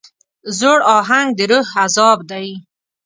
زوړ اهنګ د روح عذاب دی.